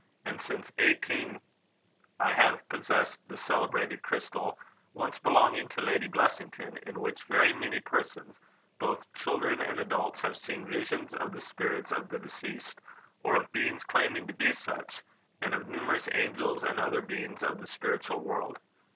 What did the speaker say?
And since 18 , I have possessed the celebrated crystal, once belonging to Lady Blessington, in which very many persons, both children and adults, have seen visions of the spirits of the deceased, or of beings claiming to be such, and of numerous angels and other beings of the spiritual world.